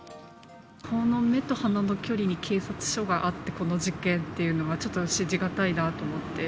目と鼻の距離に警察署があって、この事件っていうのは、ちょっと信じ難いなと思って。